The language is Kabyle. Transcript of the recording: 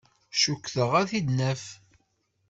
Cukkteɣ ad t-id-naf.